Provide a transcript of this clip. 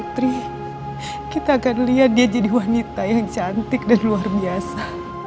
tri kita akan lihat dia jadi wanita yang cantik dan luar biasa